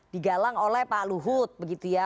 digalang oleh pak luhut begitu ya